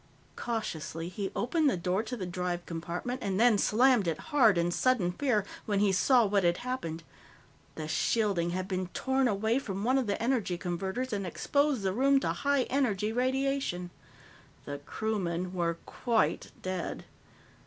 Cautiously, he opened the door to the drive compartment and then slammed it hard in sudden fear when he saw what had happened. The shielding had been torn away from one of the energy converters and exposed the room to high energy radiation. The crewmen were quite dead.